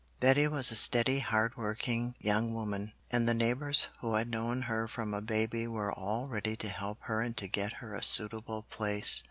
Betty was a steady, hard working young woman, and the neighbours who had known her from a baby were all ready to help her and to get her a suitable place.